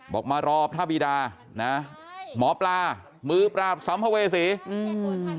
มารอพระบิดานะหมอปลามือปราบสัมภเวษีอืม